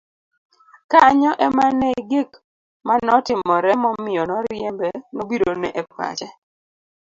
kanyo ema ne gik manotimore momiyo noriembe nobirone e pache